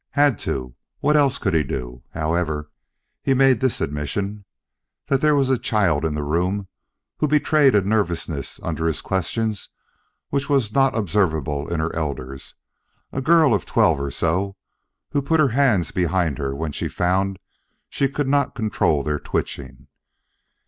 "Had to. What else could he do? However, he did make this admission that there was a child in the room who betrayed a nervousness under his questions which was not observable in her elders, a girl of twelve or so who put her hands behind her when she found she could not control their twitching.